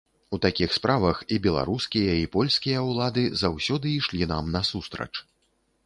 У такіх справах і беларускія, і польскія ўлады заўсёды ішлі нам насустрач.